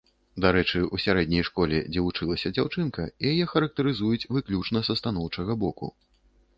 Дарэчы, у сярэдняй школе, дзе вучылася дзяўчынка, яе характарызуюць выключна са станоўчага боку.